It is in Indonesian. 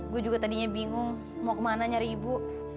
gue juga tadinya bingung mau kemana nyari ibu